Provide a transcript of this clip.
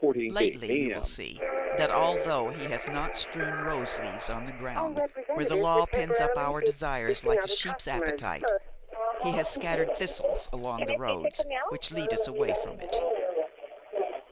Lately, you will see that, although he has not strewn rose leaves on the ground where the law pens up our desires like a sheep's appetite, he has scattered thistles along the roads which lead us away from it.